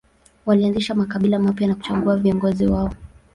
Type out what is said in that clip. Walianzisha makabila mapya na kuchagua viongozi wao.